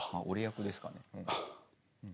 俺役ですかね。